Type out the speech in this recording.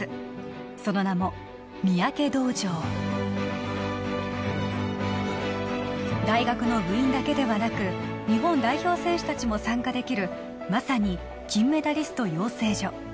その名も「三宅道場」大学の部員だけではなく日本代表選手たちも参加できるまさに金メダリスト養成所